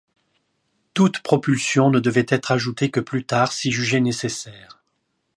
Toute propulsion ne devait être ajoutée que plus tard si jugé nécessaire.